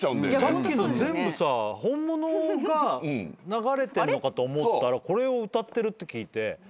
さっきの全部さ本物が流れてんのかと思ったらこれを歌ってるって聞いて。